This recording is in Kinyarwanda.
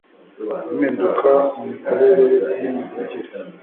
Impinduka mu mikorere n'imivugire